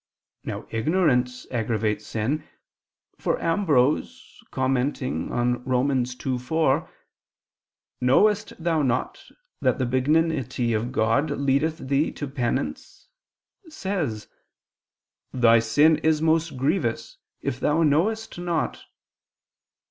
Now ignorance aggravates sin; for Ambrose commenting on Rom. 2:4, "Knowest thou not that the benignity of God leadeth thee to penance?" says: "Thy sin is most grievous if thou knowest not."